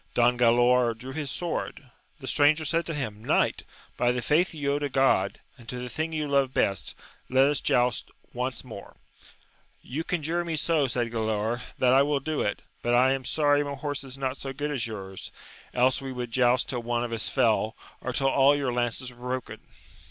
Don Galaor drew his sword : the stranger said to him, Kjiight, by the faith you owe to God, and to the thing you leve best, let us joust once more ! You conjure me so, said Galaor, that I will do it, but I am sorry my horse is not so good as ^^oxm^, ^1%^^ w^ wovild \Qust till one AMADIS OF GAUL. 225 of us fell, or till all your lances were broken